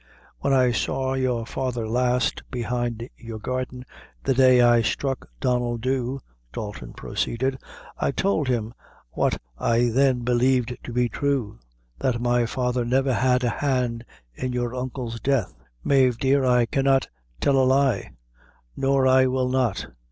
"When I saw your father last, behind your garden, the day I struck Donnel Dhu," Dalton proceeded, "I tould him what I then believed to be true, that my father never had a hand in your uncle's death. Mave, dear, I cannot tell a lie; nor I will not.